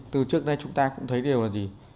từ trước đây chúng ta cũng thấy điều là gì